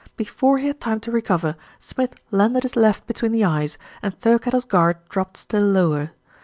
Before he had time to recover, Smith landed his left between the eyes, and Thirkettle's guard dropped still lower.